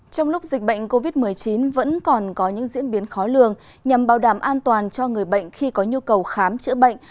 trong lúc dịch bệnh covid một mươi chín vẫn còn có những diễn biến khó lường nhằm bảo đảm an toàn cho người bệnh khi có nhu cầu khám chữa bệnh